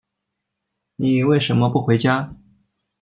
你为什么不回家？